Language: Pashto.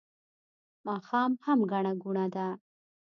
ماښام هم ګڼه ګوڼه ده